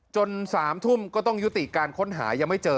๓ทุ่มก็ต้องยุติการค้นหายังไม่เจอ